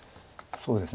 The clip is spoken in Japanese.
そうですね。